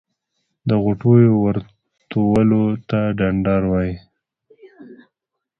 د غوټیو ورتولو ته ډنډار وایی.